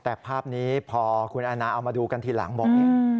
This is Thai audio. แต่ภาพนี้พอคุณอาณาเอามาดูกันทีหลังบอกนี่